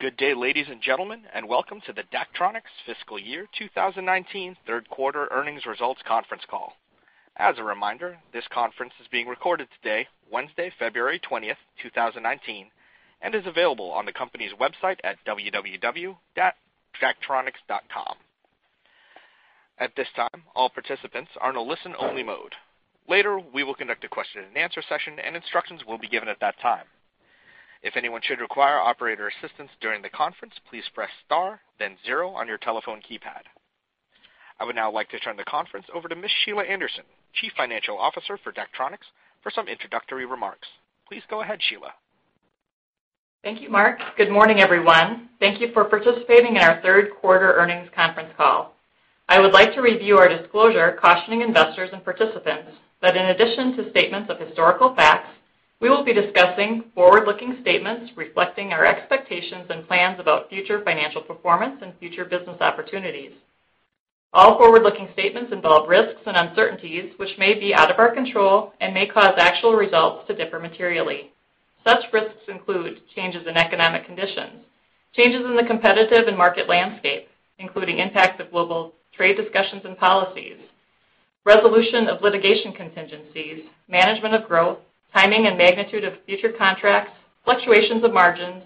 Good day, ladies and gentlemen, and welcome to the Daktronics Fiscal Year 2019 third quarter earnings results conference call. As a reminder, this conference is being recorded today, Wednesday, February 20, 2019, and is available on the company's website at www.daktronics.com. At this time, all participants are in a listen-only mode. Later, we will conduct a question and answer session and instructions will be given at that time. If anyone should require operator assistance during the conference, please press star then zero on your telephone keypad. I would now like to turn the conference over to Ms. Sheila Anderson, Chief Financial Officer for Daktronics, for some introductory remarks. Please go ahead, Sheila. Thank you, Mark. Good morning, everyone. Thank you for participating in our third quarter earnings conference call. I would like to review our disclosure cautioning investors and participants that in addition to statements of historical facts, we will be discussing forward-looking statements reflecting our expectations and plans about future financial performance and future business opportunities. All forward-looking statements involve risks and uncertainties which may be out of our control and may cause actual results to differ materially. Such risks include changes in economic conditions, changes in the competitive and market landscape, including impacts of global trade discussions and policies, resolution of litigation contingencies, management of growth, timing and magnitude of future contracts, fluctuations of margins,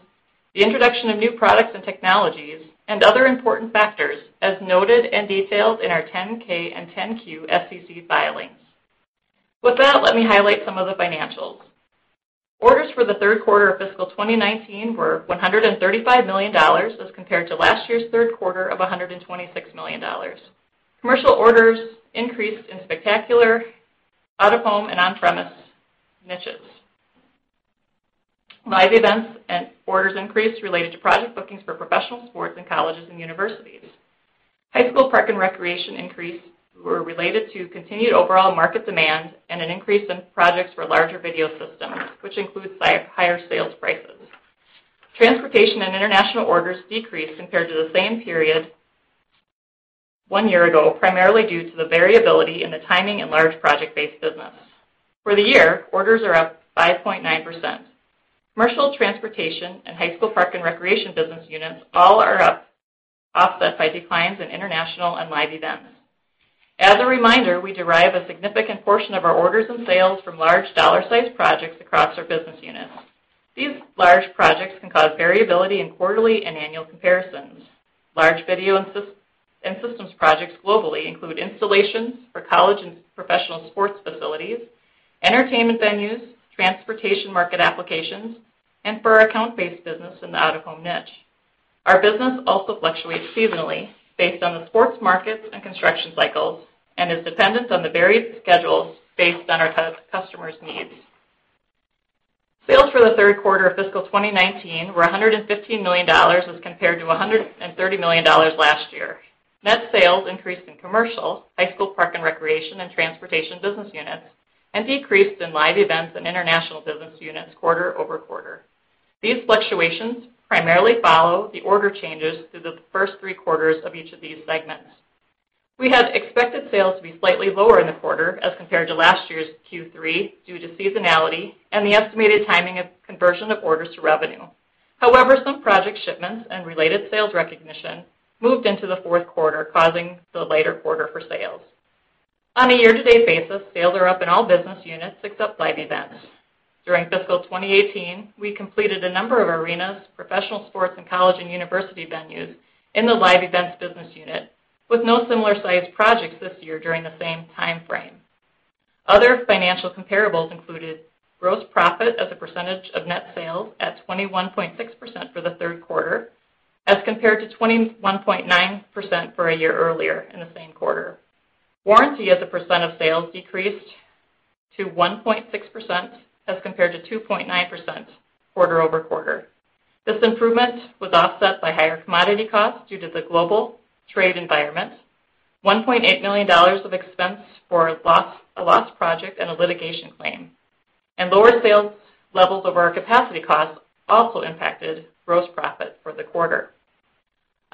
the introduction of new products and technologies, and other important factors as noted and detailed in our 10-K and 10-Q SEC filings. With that, let me highlight some of the financials. Orders for the third quarter of fiscal 2019 were $135 million as compared to last year's third quarter of $126 million. Commercial orders increased in spectacular, out-of-home and on-premise niches. Live events and orders increased related to project bookings for professional sports and colleges and universities. High school, park and recreation increase were related to continued overall market demand and an increase in projects for larger video systems, which includes higher sales prices. Transportation and international orders decreased compared to the same period one year ago, primarily due to the variability in the timing in large project-based business. For the year, orders are up 5.9%. Commercial, transportation, and high school, park, and recreation business units all are up, offset by declines in international and live events. As a reminder, we derive a significant portion of our orders and sales from large dollar size projects across our business units. These large projects can cause variability in quarterly and annual comparisons. Large video and systems projects globally include installations for college and professional sports facilities, entertainment venues, transportation market applications, and for our account-based business in the out-of-home niche. Our business also fluctuates seasonally based on the sports markets and construction cycles and is dependent on the various schedules based on our customers' needs. Sales for the third quarter of fiscal 2019 were $115 million as compared to $130 million last year. Net sales increased in commercial, high school, park, and recreation, and transportation business units, and decreased in live events and international business units quarter-over-quarter. These fluctuations primarily follow the order changes through the first three quarters of each of these segments. We had expected sales to be slightly lower in the quarter as compared to last year's Q3 due to seasonality and the estimated timing of conversion of orders to revenue. However, some project shipments and related sales recognition moved into the fourth quarter, causing the lighter quarter for sales. On a year-to-date basis, sales are up in all business units except live events. During fiscal 2018, we completed a number of arenas, professional sports, and college and university venues in the live events business unit, with no similar-sized projects this year during the same timeframe. Other financial comparables included gross profit as a percentage of net sales at 21.6% for the third quarter as compared to 21.9% for a year earlier in the same quarter. Warranty as a percent of sales decreased to 1.6% as compared to 2.9% quarter-over-quarter. This improvement was offset by higher commodity costs due to the global trade environment. $1.8 million of expense for a lost project and a litigation claim, and lower sales levels over our capacity costs also impacted gross profit for the quarter.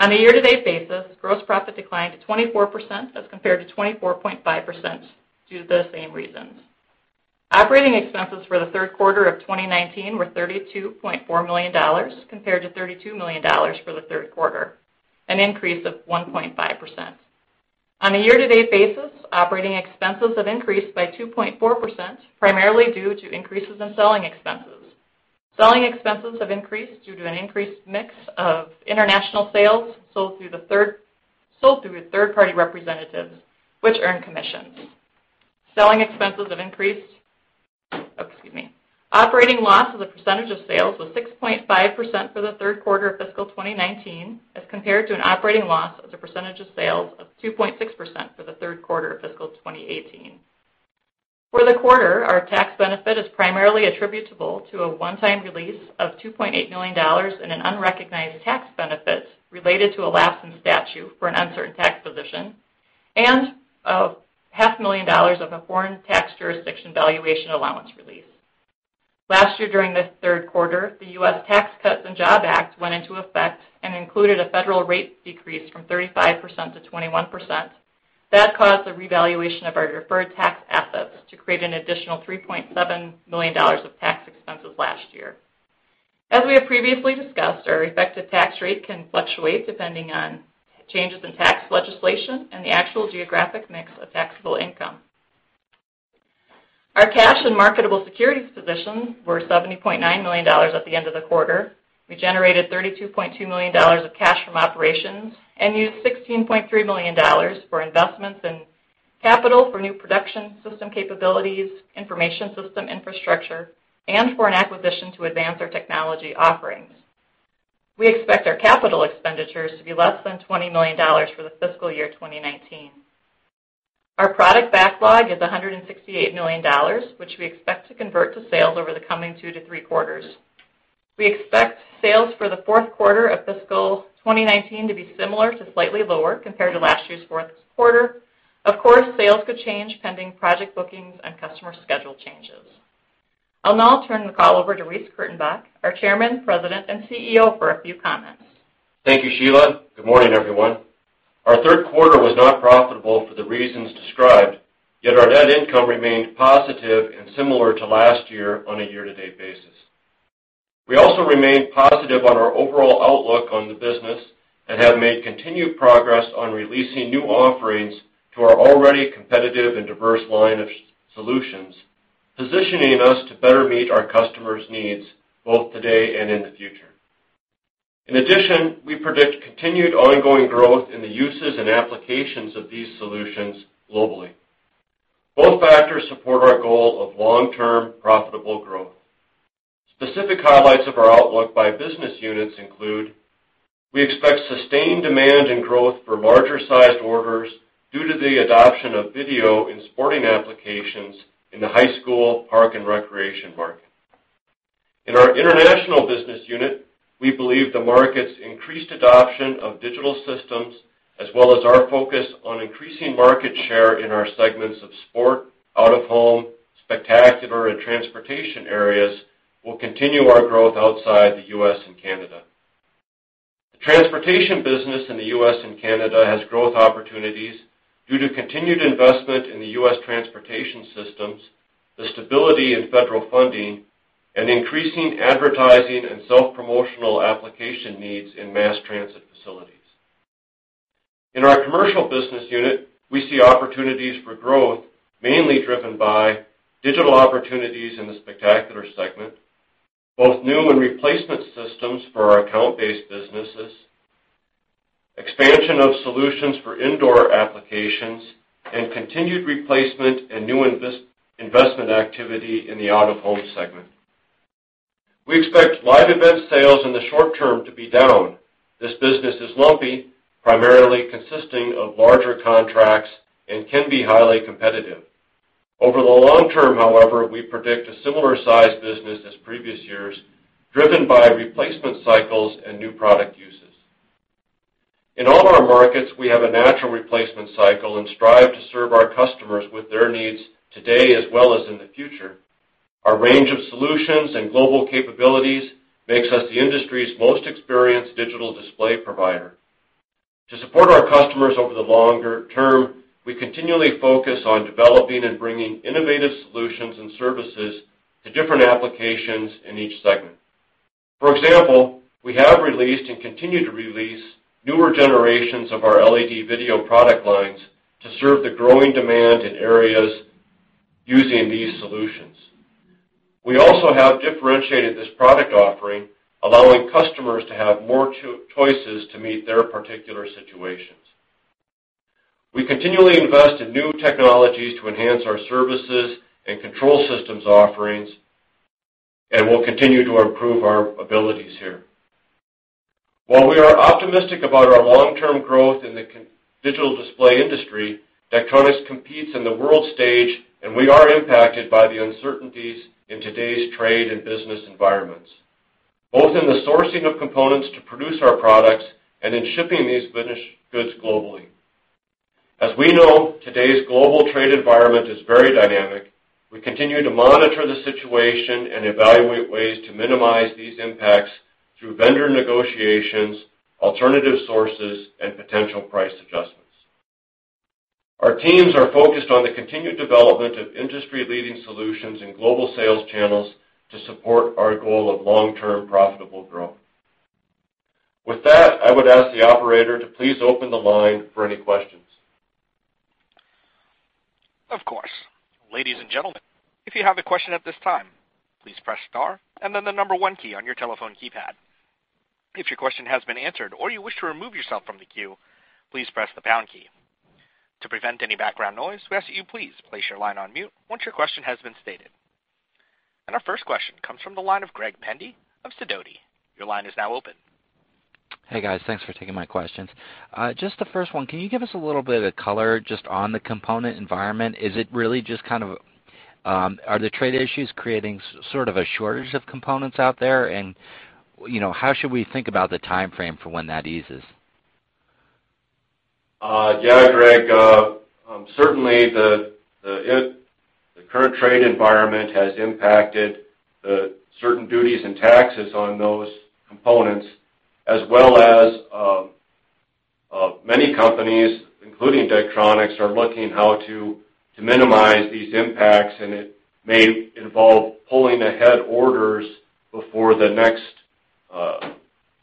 On a year-to-date basis, gross profit declined to 24% as compared to 24.5% due to the same reasons. Operating expenses for the third quarter of 2019 were $32.4 million, compared to $32 million for the third quarter, an increase of 1.5%. On a year-to-date basis, operating expenses have increased by 2.4%, primarily due to increases in selling expenses. Selling expenses have increased due to an increased mix of international sales sold through third-party representatives, which earn commissions. Selling expenses have increased. Excuse me. Operating loss as a percentage of sales was 6.5% for the third quarter of fiscal 2019, as compared to an operating loss as a percentage of sales of 2.6% for the third quarter of fiscal 2018. For the quarter, our tax benefit is primarily attributable to a one-time release of $2.8 million in an unrecognized tax benefit related to a lapse in statute for an uncertain tax position and a half million dollars of a foreign tax jurisdiction valuation allowance release. Last year, during the third quarter, the U.S. Tax Cuts and Jobs Act went into effect and included a federal rate decrease from 35% to 21%. That caused a revaluation of our deferred tax assets to create an additional $3.7 million of tax expenses last year. As we have previously discussed, our effective tax rate can fluctuate depending on changes in tax legislation and the actual geographic mix of taxable income. Our cash and marketable securities positions were $70.9 million at the end of the quarter. We generated $32.2 million of cash from operations and used $16.3 million for investments in capital for new production system capabilities, information system infrastructure, and for an acquisition to advance our technology offerings. We expect our capital expenditures to be less than $20 million for the fiscal year 2019. Our product backlog is $168 million, which we expect to convert to sales over the coming two to three quarters. We expect sales for the fourth quarter of fiscal 2019 to be similar to slightly lower compared to last year's fourth quarter. Of course, sales could change pending project bookings and customer schedule changes. I'll now turn the call over to Reece Kurtenbach, our Chairman, President, and CEO, for a few comments. Thank you, Sheila. Good morning, everyone. Our third quarter was not profitable for the reasons described, yet our net income remained positive and similar to last year on a year-to-date basis. We also remain positive on our overall outlook on the business and have made continued progress on releasing new offerings to our already competitive and diverse line of solutions, positioning us to better meet our customers' needs both today and in the future. In addition, we predict continued ongoing growth in the uses and applications of these solutions globally. Both factors support our goal of long-term profitable growth. Specific highlights of our outlook by business units include we expect sustained demand and growth for larger-sized orders due to the adoption of video in sporting applications in the high school park and recreation market. In our international business unit, we believe the market's increased adoption of digital systems, as well as our focus on increasing market share in our segments of sport, out-of-home, spectacular, and transportation areas, will continue our growth outside the U.S. and Canada. The transportation business in the U.S. and Canada has growth opportunities due to continued investment in the U.S. transportation systems, the stability in federal funding, and increasing advertising and self-promotional application needs in mass transit facilities. In our commercial business unit, we see opportunities for growth mainly driven by digital opportunities in the spectacular segment, both new and replacement systems for our account-based businesses, expansion of solutions for indoor applications, and continued replacement and new investment activity in the out-of-home segment. We expect live event sales in the short term to be down. This business is lumpy, primarily consisting of larger contracts and can be highly competitive. Over the long term, however, we predict a similar size business as previous years, driven by replacement cycles and new product uses. In all of our markets, we have a natural replacement cycle and strive to serve our customers with their needs today as well as in the future. Our range of solutions and global capabilities makes us the industry's most experienced digital display provider. To support our customers over the longer term, we continually focus on developing and bringing innovative solutions and services to different applications in each segment. For example, we have released and continue to release newer generations of our LED video product lines to serve the growing demand in areas using these solutions. We also have differentiated this product offering, allowing customers to have more choices to meet their particular situations. We continually invest in new technologies to enhance our services and control systems offerings and will continue to improve our abilities here. While we are optimistic about our long-term growth in the digital display industry, Daktronics competes in the world stage, and we are impacted by the uncertainties in today's trade and business environments, both in the sourcing of components to produce our products and in shipping these finished goods globally. As we know, today's global trade environment is very dynamic. We continue to monitor the situation and evaluate ways to minimize these impacts through vendor negotiations, alternative sources, and potential price adjustments. Our teams are focused on the continued development of industry-leading solutions and global sales channels to support our goal of long-term profitable growth. With that, I would ask the operator to please open the line for any questions. Of course. Ladies and gentlemen, if you have a question at this time, please press star and then the number one key on your telephone keypad. If your question has been answered or you wish to remove yourself from the queue, please press the pound key. To prevent any background noise, we ask that you please place your line on mute once your question has been stated. Our first question comes from the line of Greg Pendi of Sidoti. Your line is now open. Hey, guys. Thanks for taking my questions. Just the first one, can you give us a little bit of color just on the component environment? Is it really just Are the trade issues creating sort of a shortage of components out there? How should we think about the timeframe for when that eases? Yeah, Greg. Certainly, the current trade environment has impacted certain duties and taxes on those components, as well as many companies, including Daktronics, are looking how to minimize these impacts, and it may involve pulling ahead orders before the next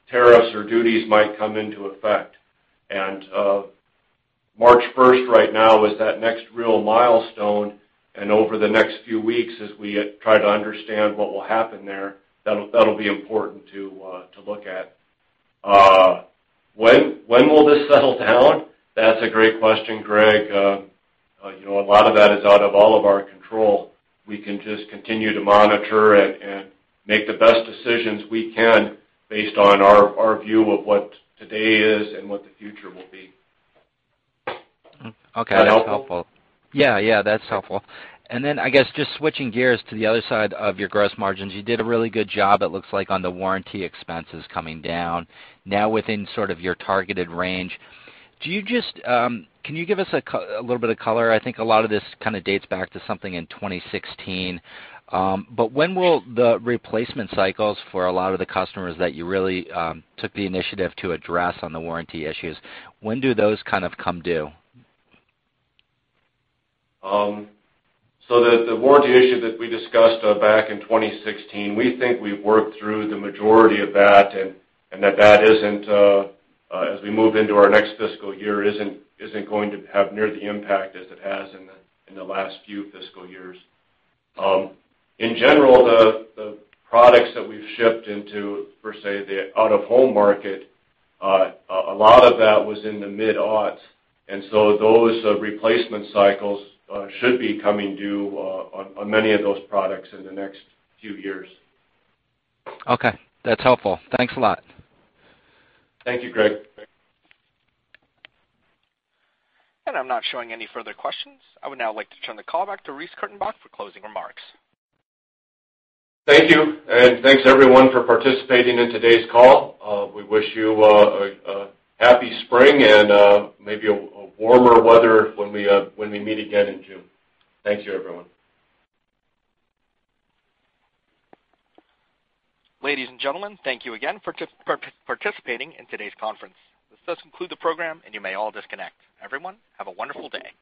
tariffs or duties might come into effect. March 1st right now is that next real milestone, Over the next few weeks, as we try to understand what will happen there, that'll be important to look at. When will this settle down? That's a great question, Greg. A lot of that is out of all of our control. We can just continue to monitor and make the best decisions we can based on our view of what today is and what the future will be. Okay. That's helpful. Is that helpful? Yeah. That's helpful. I guess, just switching gears to the other side of your gross margins. You did a really good job, it looks like, on the warranty expenses coming down, now within sort of your targeted range. Can you give us a little bit of color? I think a lot of this kind of dates back to something in 2016. When will the replacement cycles for a lot of the customers that you really took the initiative to address on the warranty issues, when do those kind of come due? The warranty issue that we discussed back in 2016, we think we've worked through the majority of that, and that that isn't, as we move into our next fiscal year, isn't going to have near the impact as it has in the last few fiscal years. In general, the products that we've shipped into, for say, the out-of-home market, a lot of that was in the mid-aughts. Those replacement cycles should be coming due on many of those products in the next few years. Okay. That's helpful. Thanks a lot. Thank you, Greg. I'm not showing any further questions. I would now like to turn the call back to Reece Kurtenbach for closing remarks. Thank you, and thanks, everyone, for participating in today's call. We wish you a happy spring and maybe a warmer weather when we meet again in June. Thank you, everyone. Ladies and gentlemen, thank you again for participating in today's conference. This does conclude the program, and you may all disconnect. Everyone, have a wonderful day.